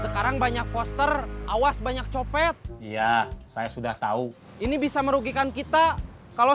sekarang banyak poster awas banyak copet ya saya sudah tahu ini bisa merugikan kita kalau